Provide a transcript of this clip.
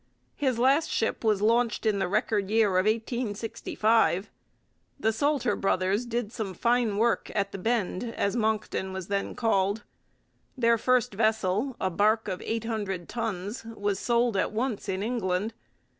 His last ship was launched in the 'record' year of 1865. The Salter Brothers did some fine work at the 'Bend,' as Moncton was then called. Their first vessel, a barque of eight hundred tons, was sold at once in England.